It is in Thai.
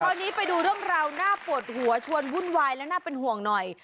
ตอนนี้ไปดูเรื่องราวน่าปวดหัวชวนวุ่นวายและน่าเป็นห่วงหน่อย